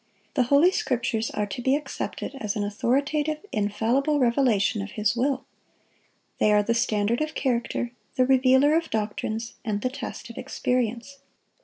The Holy Scriptures are to be accepted as an authoritative, infallible revelation of His will. They are the standard of character, the revealer of doctrines, and the test of experience.